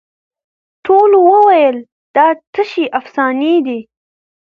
ټولو وویل دا تشي افسانې دي